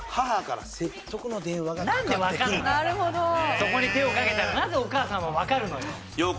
そこに手をかけたらなぜお母さんはわかるのよ？